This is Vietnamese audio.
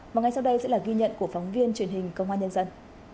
và ngay sau đây sẽ là ghi nhận của phóng viên truyền hình công an nhân dân